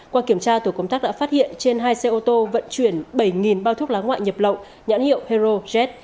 qua kiểm tra tổ công tác đã phát hiện trên hai xe ô tô vận chuyển bảy bao thuốc lá ngoại nhập lậu nhãn hiệu hero jet